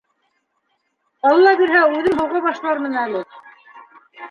Алла бирһә, үҙем һыуға башлармын әле.